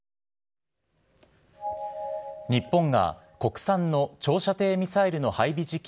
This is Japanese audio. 日本が、国産の長射程ミサイルの配備時期